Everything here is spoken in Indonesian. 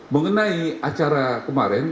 mengenai acara kemarin